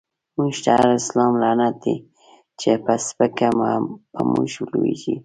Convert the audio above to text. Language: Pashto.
موږ ته هر سلام لعنت دی، چی په سپکه په موږ لويږی